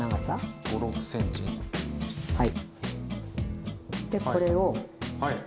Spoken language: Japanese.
はい。